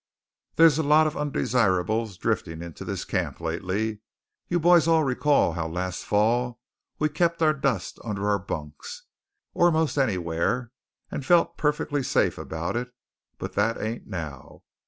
There's a lot of undesirables driftin' into this camp lately. You boys all recall how last fall we kep' our dust under our bunks or most anywhere, and felt perfectly safe about it; but that ain't now.